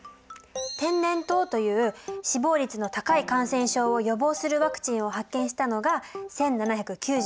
天然痘という死亡率の高い感染症を予防するワクチンを発見したのが１７９６年のこと。